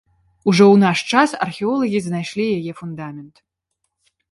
Ужо ў наш час археолагі знайшлі яе фундамент.